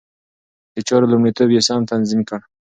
د چارو لومړيتوب يې سم تنظيم کړ.